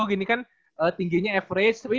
gini kan tingginya average